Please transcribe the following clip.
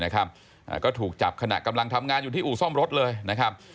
ก็ถูกจับขณะกำลังทำงานอยู่ที่อู่ซ่อมรถเลยนะครับ